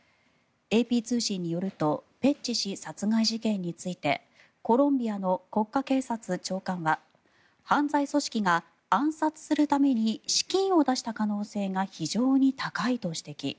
ＡＰ通信によるとペッチ氏殺害事件についてコロンビアの国家警察長官は犯罪組織が暗殺するために資金を出した可能性が非常に高いと指摘。